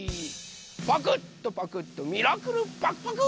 パクッとパクッとミラクルパクパク！